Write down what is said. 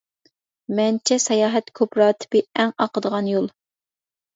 مەنچە ساياھەت كوپىراتىپى ئەڭ ئاقىدىغان يول.